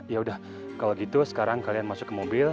yaudah kalau gitu sekarang kalian masuk ke mobil